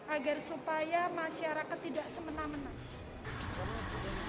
agar supaya masyarakat tidak semena mena